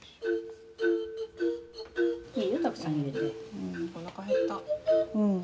うんおなか減った。